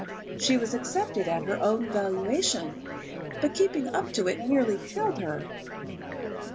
She was accepted at her own valuation, but keeping up to it nearly killed her.